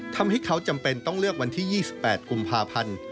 ทำให้เขาจำเป็นต้องเลือกวันที่๒๘กุมภาพันธ์